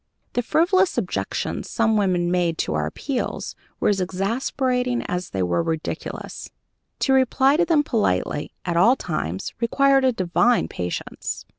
The frivolous objections some women made to our appeals were as exasperating as they were ridiculous. To reply to them politely, at all times, required a divine patience.